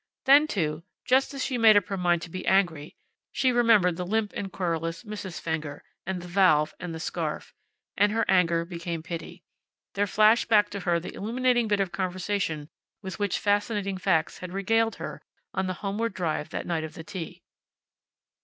Then, too, just as she made up her mind to be angry she remembered the limp and querulous Mrs. Fenger, and the valve and the scarf. And her anger became pity. There flashed back to her the illuminating bit of conversation with which Fascinating Facts had regaled her on the homeward drive that night of the tea.